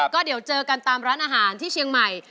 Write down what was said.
ก็เดี๋ยวเจอกันตามร้านอาหารที่เชียงใหม่